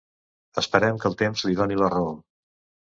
Esperem que el temps li doni la raó.